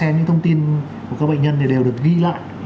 những thông tin của các bệnh nhân thì đều được ghi lại